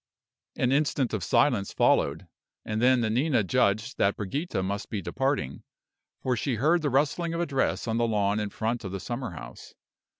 An instant of silence followed; and then Nanina judged that Brigida must be departing, for she heard the rustling of a dress on the lawn in front of the summer house.